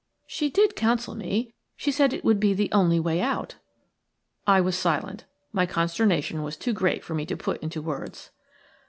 "She did counsel me. She said it would be the only way out." I was silent. My consternation was too great for me to put into words.